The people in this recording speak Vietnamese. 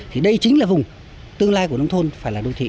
thì đây chính là vùng tương lai của nông thôn phải là đô thị